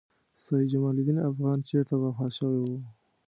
سیدجمال الدین افغان چېرته وفات شوی و؟